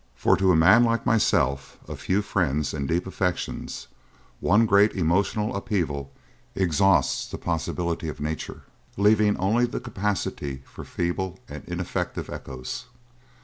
For to a man like myself, of few friends and deep affections, one great emotional upheaval exhausts the possibilities of nature; leaving only the capacity for feeble and ineffective echoes.